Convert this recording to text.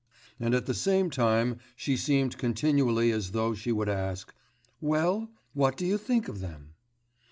and at the same time she seemed continually as though she would ask, 'Well? what do you think of them?